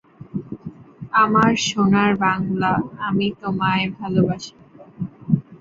এর ফলে প্রতিযোগিতা চলাকালে দলগুলোর দীর্ঘ ভ্রমণের প্রয়োজনীয়তা দেখা দেবে।